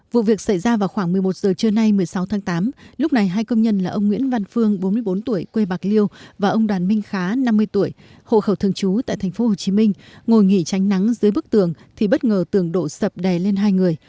vụ việc xảy ra vào khoảng một mươi một giờ trưa nay một mươi sáu tháng tám lúc này hai công nhân là ông nguyễn văn phương bốn mươi bốn tuổi quê bạc liêu và ông đoàn minh khá năm mươi tuổi hộ khẩu thường trú tại tp hcm ngồi nghỉ tránh nắng dưới bức tường thì bất ngờ tường đổ sập đè lên hai người